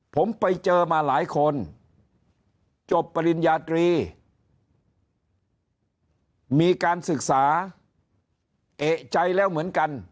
ผมไปเจอมาหลายคนจบปริญญาตรีมีการศึกษาเอกใจแล้วเหมือนกัน